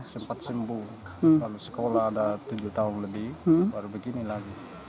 sempat sembuh kalau sekolah ada tujuh tahun lebih baru begini lagi